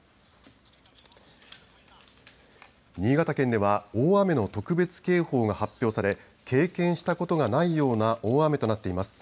新潟県では大雨の特別警報が発表され経験したことがないような大雨となっています。